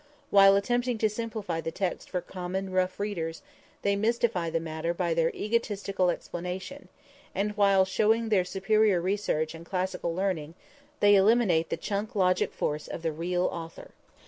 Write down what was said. While attempting to simplify the text for common, rough readers, they mystify the matter by their egotistical explanation, and while showing their superior research and classical learning, they eliminate the chunk logic force of the real author.